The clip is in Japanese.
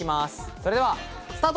それではスタート！